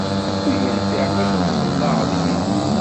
Ur yenfiε ma temqellaεeḍ yid-s.